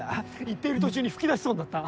言ってる途中に吹き出しそうになった。